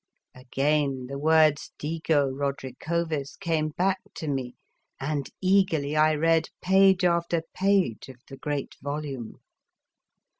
Again the words " DIGO RODRI COVEZ " came back to me, and eagerly I read page after page of the great volume.